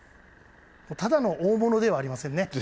ただの大物ではありませんね。